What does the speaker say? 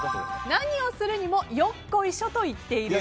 何をするにもよっこいしょと言っている。